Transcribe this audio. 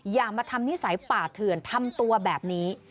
อย่ามาทำนิสัยป่าเถื่อนทำตัวแบบนี้